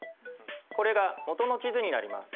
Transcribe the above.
これがもとの地図になります。